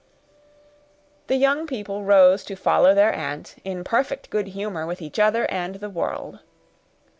The young people rose to follow their aunt, in perfect good humor with each other and the world.